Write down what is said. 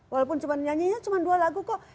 walaupun cuma nyanyinya cuma dua lagu kok